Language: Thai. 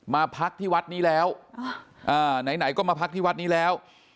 มาพักที่วัดนี้แล้วไหนก็มาพักที่วัดนี้แล้ว